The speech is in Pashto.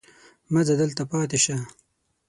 مه ځه دلته پاتې شه.